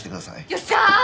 よっしゃー！